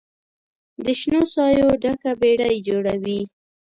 د شنو سایو ډکه بیړۍ جوړوي